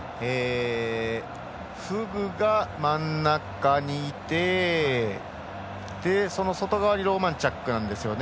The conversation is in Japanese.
フグが真ん中にいて外側にローマンチャックなんですよね。